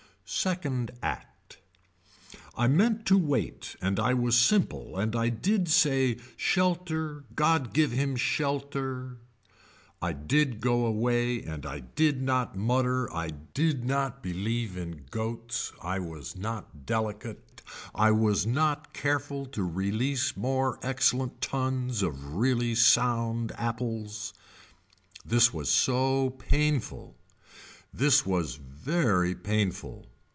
Second Act. I meant to wait and I was simple and I did say shelter god give him shelter. I did go away and I did not mutter I did not believe goats I was not delicate I was not careful to release more excellent tons of really sound apples. This was so painful. This was very painful.